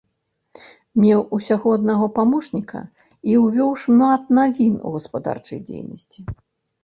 Меў усяго аднаго памочніка і увёў шмат навін у гаспадарчай дзейнасці.